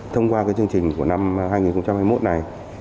thông qua chương trình của năm hai nghìn hai mươi một này